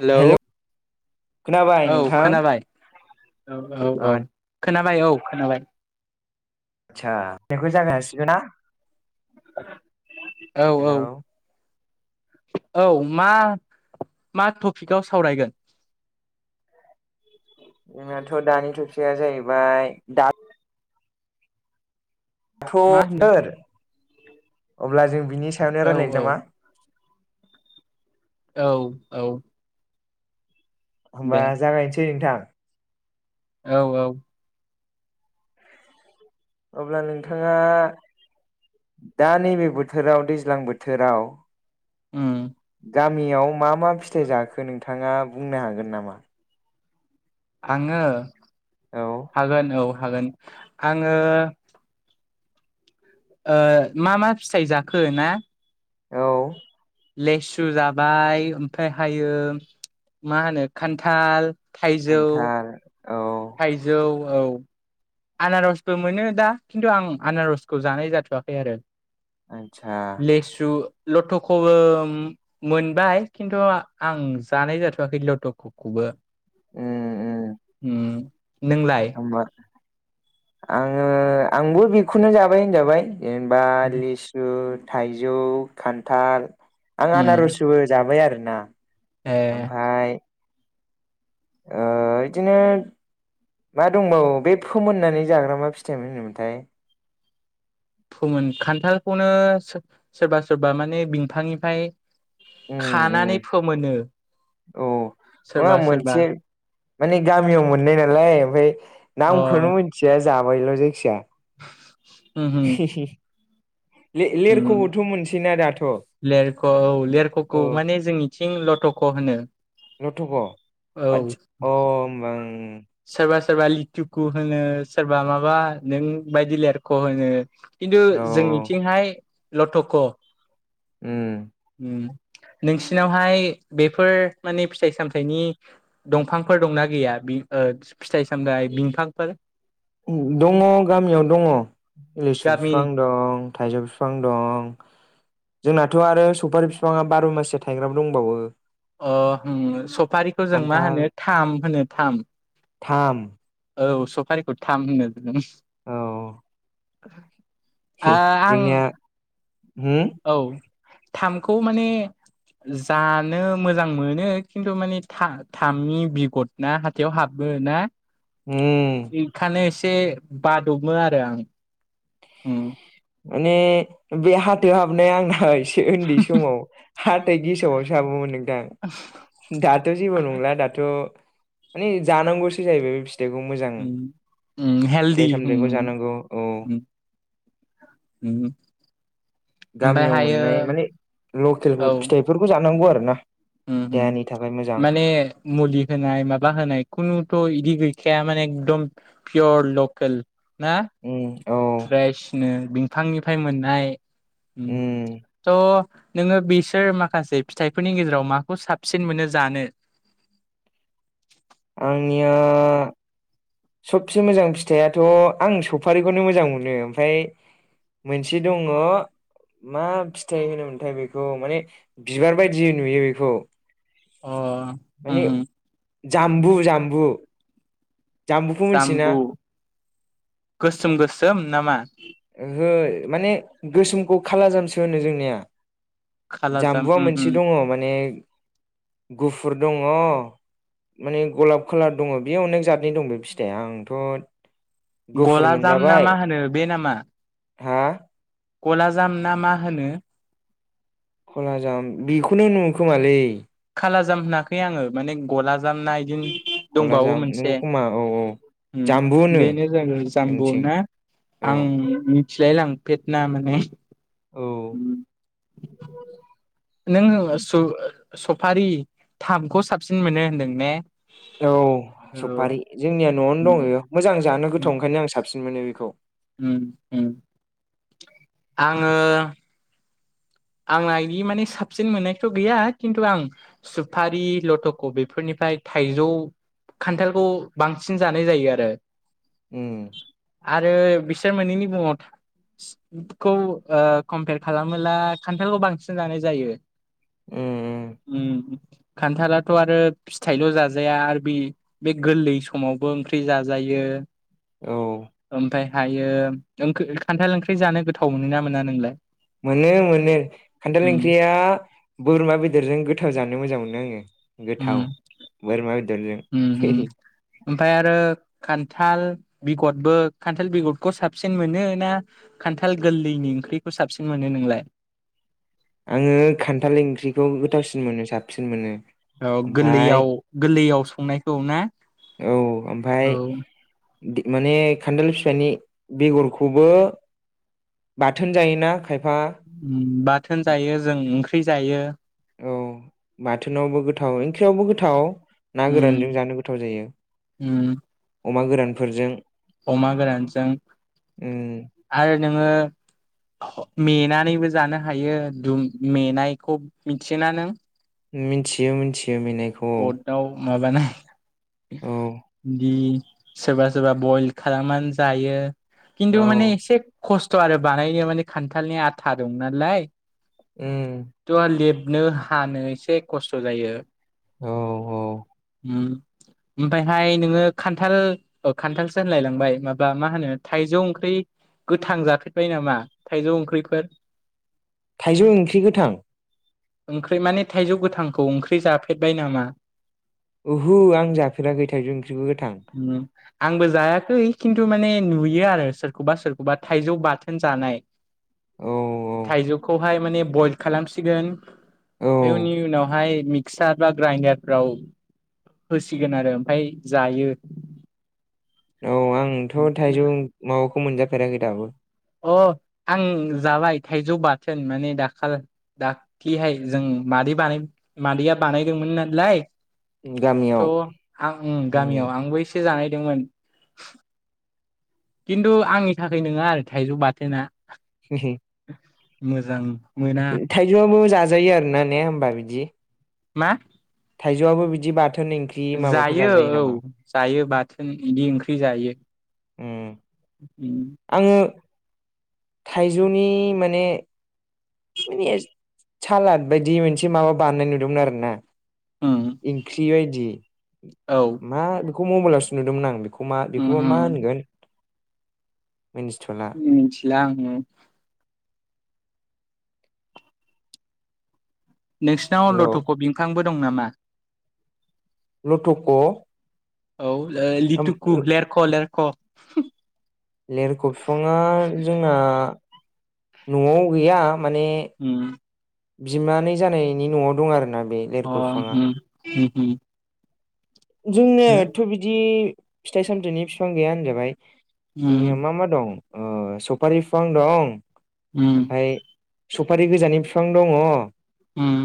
हेल' खोनाबाय नोंथां? औ औ औ खोना खोनाबबाय औ खोनाबाय आच्चा बेखौ जानो हासिगोना? औ हेल' औ। औ मा मा टपिकआव सावरायगोन? जोंनाथ' दानि टपिकया जाहैबाय दा थ' मा होनदों थोर अब्ला जों बिनि सायावनो रायज्लायनोसै औ नामा औ औ औ होमबा दे जागायनोसै नोंथां [unintelligible] औ औ अब्ला नोंथाङा दा नैबे बोथोराव दैज्लां बोथोराव उम गामियाव मा मा फिथाइ जाखो नोंथाङा बुंनो हागोन नामा? आङो औ हागोन औ हागोन आङो ओ मा मा फिथाइ जाखो ना औ लेसु जाबाय ओमफ्राय हायो मा होनो खान्थाल थाइजौ खान्थाल औ थाइजौ औ आनारसबो मोनो दा खिन्थु आं आनारसखौ जानाय जाथवाखै आरो आदसा लेसु लटखौबो मोनबाय खिन्थु आं जानाय जाथवाखै लटखौबो उम उम ओम नोंलाय होमबा आङो आंबो बेखौनो जाबाय होनजाबाय जेनेबा लिसु थाइजौ खान्थाल आं उम आनारसबो जाबाय आरो ना ए ओमफ्राय ओ बिदिनो मा दंबावो बे फोमोननानै जाग्रा मा फिथाइमोन होनोमोनथाय फोमोन खान्थालखौनो सो सोरबा सोरबा माने बिफांनिफ्राय उम उम खानानै फोमोनो औ आ सोरबा सोरबा मोनसे माने गामियाव मोननाय नालाय ओमफ्राय नामखौनो मिथिया जाबायल जायखिजाया होम होम लेर लेरखौबोथ मोनसैना दाथ औ लेरख' औ लेरख'खौ माने जोंनिथिं लटक' होनो लथक औ अ होनबा आं सोरबा सोरबा लिथुखु होनो सोरबा माबा नों बायदि लेरख होनो खिन्थु ओं औ औ जोंनिथिंहाय लथक उ नोंसिनावहाय बेफोर माने फिथाइ सामथाइनि दंफांफोर दंना गैया बे फिथाइ सामथाइ बिफांफोर दङ गामियाव दङ लिसु गामि बिफां दं थाइजौ बिफां दं जोंनाथ' आरो सौफारि बिफाङा बार' माससो थाइग्राबो दंबावो अ सफारिखौ जों मा खान्थाल होनो थाम होनो थाम थाम औ सफारिखौ थाम होनो औ [unintelligible] [unintelligible] आ आं जोंनिया होम औ थामखौ माने जानो मोजां मोनो खिन्थु माने थामनि बिगद ना हाथायाव हाबो ना होम बेखान ए एसे बादबो आरो आं माने बे हाथायाव हाबनाया आंना एसे उन्दै समाव हाथाय गेसावावसो हाबोमोन नोंदां दाथ' जेबो नंला दाथ' जानांगौसो जाहैबाय फिथाइखौ मोजां उम उम हेलदि फिथाइ उम सामथायखौ जानांगौ औ उम उम गामियाव ओमफायहायो मोननाय माने लकेल औ उम फिथाइफोरखौ ज नंगौ आरो ना देहानि थाखाय मोजां माने मुलि होनाय माबा होनाय खुनुथ' बिदि गैखाया माने एकदम पियर लकेल ना उम औ [unintelligible] बिफांनिफ्राय मोननाय। उम त। नोङो बिसोर माखासे फिथाइफोरनि गेजेराव माखौ साबसिन मोनो जानो। आंनिया। सबसे मोजां फिथाइआथ' आं सफारिखौनो मोजां मोनो ओमफ्राय मोनसे दङ मा फिथाइ होनोमोनथाय बेखौ माने बिबार बायदि नुयो बेखौ। अ उम माने। जाम्बु जाम्बु। जामबुखौ मिथियोना। जाम्बु गोसोम गोसोम नामा। ओहो माने गोसोमखौ खाला जामसो होनो जोंनिया। खालाजाम जाम्बुआ उम उम मोनसे दङ माने गुफ। गुफुर दङ माने गलाब खालार दङ बेयो अनेक जादनि दं बे फिथाइया आंथ'। गुफुर गलाजाम ना मोनजाबाय मा होनो बे नाम‌। मा। हा गला जाम ना मा होनो। खलाजाम बेखौनो होनोखोमालै। खााला जाम होनाखै आङो माने गला जाम ना इदिनो। दंबावो कलाजाम मोनसे नंगौ खोमा औ औ ओम जाम्बु होनो बेनो जाबाय जोंनिथिं जाम्बुना औ आं। फिलाय लांफेदना माने। औ उम। नों होबा सु ओ। सफारि थामखौ साबसिन मोनो होनदों ने। औ औ। सफारि जोंनिया न'आवनो उम, दङ मोजां जानो गोथाव ओंखायनो आं साबसि। साबसिन मोनो बेखौ। ओं-ओं आङो। आंना इदि माने साबसिन मोननायथ' गैया खिन्थु आं सुफारि लथक' बेफोरनिफ्राय थाइजौ खान्थालखौ बांसिन जानाय जायो आरो। ओम। आरो बिसोर मोनैनि मुङाव [unintelligible] खौ कम्पेयार खालामोब्ला। खान्थालखौ बांसिन जानाय जायो उम ओम खान्थालाथ' आरो फिथाइल' जाजाया आरो बे बे गोरलै समावबो ओंख्रि जाजायो औ ओमफ्राय हायो [unintelligible] खान्थाल ओंख्रि जानो गोथाव मोनो ना मोना नोंलाय। मोनो मोनो खान्थाल उम ओंख्रिया बोरमा बेदरजों गोथाव जानो मोजां मोनो आङो। गोथाव बोरमा। बेदरजों ओम ओम ओमफ्राय आरो खान। खान्थाल बेगरबो खान्थाल बेगरखौ साबसिन मोनो ना खान्थाल गोरलैनि ओंख्रिखौ साबसिन मोनो नोंलाय। आङो खान्थाल ओंख्रिखौ गोथावसिन मोनो साबसिन। [unintelligible] मोनो। औ ओमफाय गोरलैयाव गोरलैयाव। संनायखौ ना? औ ओमफ्राय। औ माने खान्दाल फिथाइनि बेगरखौबो बाथोन जायोना? खायफा बाखि बाथोन जायो जों ओंख्रि जायो। औ बाथोनावबो गोथाव ओंख्रियावबो गोथाव। ना उम गोरानजों जानो गोथाव जायो। उम अमा गोरानफोरजों। अमा गोरानजों उम आरो नोङो मेनानैबो जानो हायो दुम मेनायखौ मिथियोना नों? मिथियो मिथियो । अ दाव माबाना औ दि सोरबा सोरबा बयल खालामनानै जायो। औ खिन्थु माने एसे खस्थ' आरो बानायनो माने खान्थालनि आथा दं नालाय उम नो हानो एसे खस्थ' जायो। औ औ औ उम ओमफायहाय नोङो खान्थाल खान्थालसो होनलायलांबाय माबा मा होनो थायजौ ओंख्रि गोथां जाफेरबाय नामा थाइजौ ओंख्रिफोर? थाइजौ ओंख्रि गोथां ओंख्रि माने थाइजौ गोथांखौ ओंख्रि जाफेर बाय नामा? ओहु आं जाफेराखै थाइजौ ओंख्रिखौ गोथां। उम आंबो जायाखै खिन्थु माने नुयो आरो सोरखौबा सोरखौबा थाइजौ बाथोन जानाय। औ औ थायजौखौ हाय मेने बइल खालामसिगोन। औ एउनि उनावहाय- मिथिसाड फ्रा ग्राइन्दारफ्राव होसिगोन आरो ओमफ्राय जायो। औ आंथ' थाइजौ माव- खौ मोनजाफेराखै दाबो। अ आं जाबाय थाइजौ बाथोन माने दाखाल दाख्लिहाय जों मादै बानाय मादैया बानायदोंमोन नालाय! थ' गामियाव आं उम गामियाव आंबो एसे जानाय- गोमोन- खिन्थु आंनि थाखाय नङा आरो थाइजौ बाथोना! [unintelligible] मोजां मोना थायजौ आबो जा जायो आरोना ने होमबा बिदि मा थाइजौआबो बिदि बार जायो औ जायो बा थोन बिदि ओंख्रि जायो उम उ आङो थाइजौनि माने माने सालाद बायदि मोनसे माबा बानायनाय नुदोंमोन आरो ना ओं इख्रि बायदि औ मा खौ मबाइलसो नुदोंमोन आं बेखौ खौ मा उम बेखौबोा मा उम होनगोन मिन्थिथ'ला मिथिला आङो नोंसिनाव हेलौ लथ' बिफांबो दं नामा लुथुख' औ लिथिखु लेरख लेरख आ लिरख' बिफाङा जोंना न'आवआव गैया माने उम बिमानै जानायनि न'आव दं आरोना बे अ लेरख' उम बिफाङा उम उम जोंनोथ' बिदि फिथाइ-सामथाइनि बिफां गैया होनजाबाय जोंनिया उम मा मा दं ओ सफारि बिफां दं। उम उम ओमफाय सुफारि गोजानि बिफां दङ। उम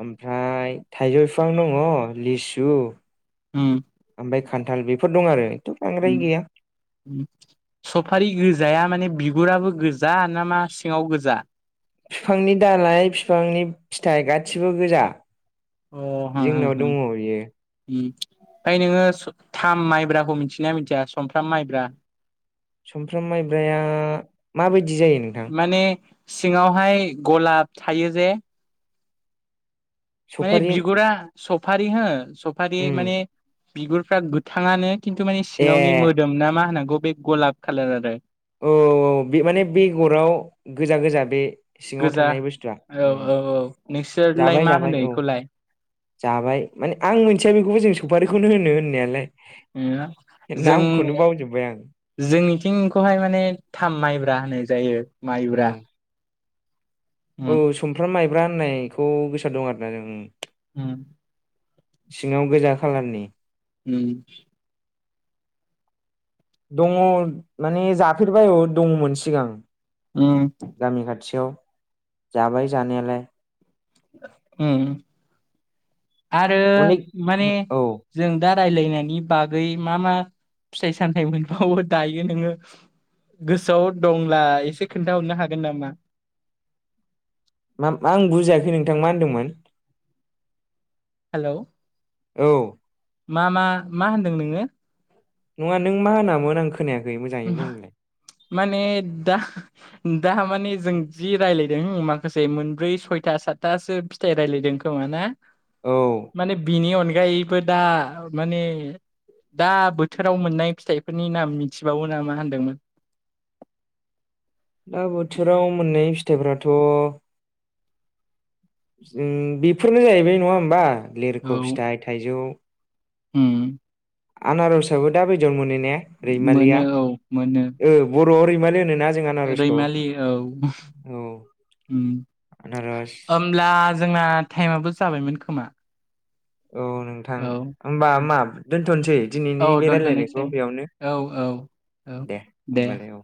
ओमफ्राय थाइजौ बिफां दङ लिसु उम ओमफाय खान्थाल बेफोर दं आरो बांद्राय गैया उम सफारि गोजाया माने बि गुराबो गोजा ना मा सिङाव गोजा फिफांनि दालाइ फिफांनि फिथाइ गासिबो गोजा अ हा हो जोंनाव हो उम दङ बियो फाय नोङो स थाम माइब्राखौ मिथिनाया मिथिया समफ्राम माइब्रा सुमफ्राम माइब्राया माबायदि जायो नोंथां माने सिङावहाय गलाब थायो जे माने सफारि उम बिगुरा सफारि हो सफारि माने बिगुरफ्रा गोथांङानो किन्थु माने ए सिङावनि मोदोम ना मा होनांगौ बे गलाब खालार आरो औ औ बे माने बेगराव गोजा गोजा बे सिङाव गोजा थानाय बुस्थुआ औ उ औ औ नोंसोरलाय जाबाय मा जाबाय होनो औ बेखौलाय जाबाय माने आं मोनथिया बेखौबो जों सफारिखौनो होनो होननायालाय जों नामखौनो बावजोबबाय आं जोंनिथिंखौहाय माने थाम माइब्रा होनाय जायो उम माइब्रा उम औ सफ्राम माइ खुमब्रा होननायखौ गोसोआव दं आरोना जों हु सिङाव गोजा खालारनि उम दङ माने जाफेरबाय औ दङमोन सिगां उम गामि खाथियाव जाबाय जानायालाय उम आरो अनेक माने औ जों दा रायलायनायनि बागै मा मा फिथाइ सामथाय मोनबावो दायो नोंङो गोसोआव दंब्ला एसे खोनथाहरनो हागोन नामा मा मा आं बुजियाखै नोंथां मा होनदोंमोन हेलौ औ मा मा मा होनदों नोंङो नङा नों मा होनामोन आं खोनाया माने दा दा माने जों जि रायलयदों माखासे मोनब्रै सयथा सातथासो फिथाइ रायलायदों खोमा ना औ माने बिनि अने गायैबो दा माने दा बोथोराव मोननाय फिथाइफोरनि नाम मि थिबावो ना मा होनदोंमोन दा बोथोराव मोननाय फिथाइफोराथ बेफोरनो जाहैबाय नङा होमबा लिरख' फिथाइ थाइजौ ह आनारसाबो दाब बे जन्मनि रया मोनो औ मोनो ालो रैमालि औ औ आनारस हब्ला जोंना टाइमाबो जाबायमोन खोमा औ नोंथां होमबा औ मा दोनथ'नोसै औ दिनैनि बे दोनथ'नोसै रायलायनायखौ बेयावनो औ औ औ दे होनबालाय औ